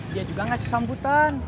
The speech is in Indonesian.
dia juga ngasih sambutan